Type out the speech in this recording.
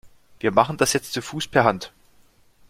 Wir machen das jetzt zu Fuß per Hand.